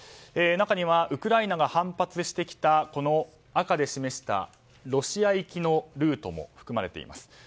中にはウクライナが反発してきた赤で示したロシア行きのルートも含まれています。